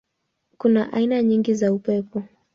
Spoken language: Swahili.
Kuna aina nyingi za upepo.